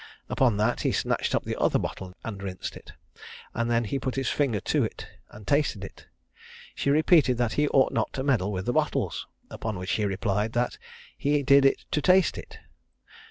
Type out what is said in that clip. Upon that he snatched up the other bottle and rinsed it, and then he put his finger to it and tasted it. She repeated that he ought not to meddle with the bottles; upon which he replied, that "he did it to taste it."